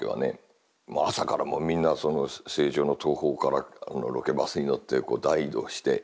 朝からもうみんなその成城の東宝からロケバスに乗ってこう大移動して。